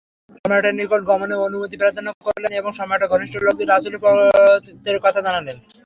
সম্রাটের নিকট গমনের অনুমতি প্রার্থনা করলেন এবং সম্রাটের ঘনিষ্ঠ লোকদের রাসূলের পত্রের কথা জানালেন।